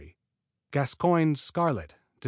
Gascoigne's Scarlet Dec.